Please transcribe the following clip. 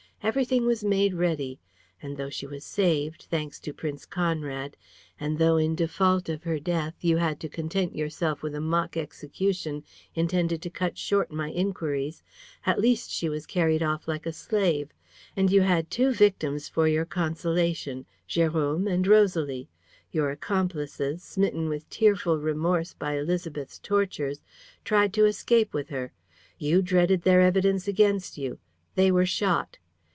Everything was made ready. And, though she was saved, thanks to Prince Conrad, and though, in default of her death, you had to content yourself with a mock execution intended to cut short my inquiries, at least she was carried off like a slave. And you had two victims for your consolation: Jérôme and Rosalie. Your accomplices, smitten with tearful remorse by Élisabeth's tortures, tried to escape with her. You dreaded their evidence against you: they were shot.